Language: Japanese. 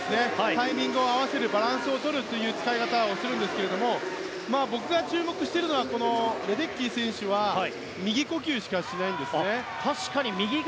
タイミングを合わせるバランスをとるという使い方をするんですけど僕が注目しているのはレデッキー選手は右呼吸しかしないんですね。